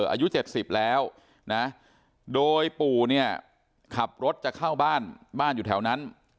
อายุ๗๐แล้วนะโดยปู่เนี่ยขับรถจะเข้าบ้านบ้านอยู่แถวนั้น